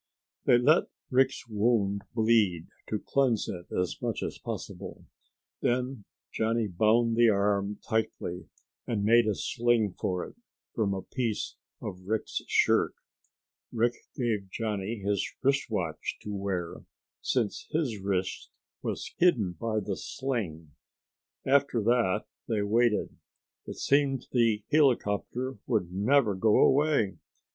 They let Rick's wound bleed to cleanse it as much as possible. Then Johnny bound the arm tightly and made a sling for it from a piece of Rick's shirt. Rick gave Johnny his wrist watch to wear, since his wrist was hidden by the sling. After that they waited. It seemed the helicopter would never go away.